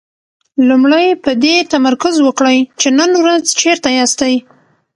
لومړی په دې تمرکز وکړئ چې نن ورځ چېرته ياستئ.